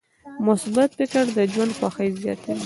مثبت فکر د ژوند خوښي زیاتوي.